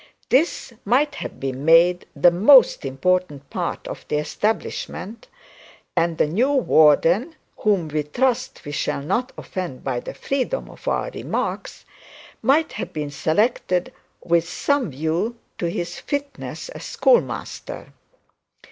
This might have been made the most important part of the establishment, and the new warden, whom we trust we shall not offend by the freedom of our remarks, might have been selected with some view to his fitness as schoolmaster.